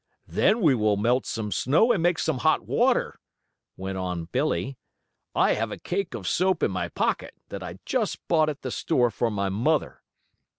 "Then we will melt some snow, and make some hot water," went on Billie. "I have a cake of soap in my pocket, that I just bought at the store for my mother.